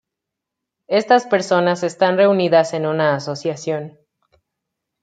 Estas personas están reunidas en una asociación.